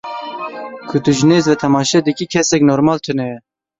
Ku tu ji nêz ve temaşe dikî, kesekî normal tune ye.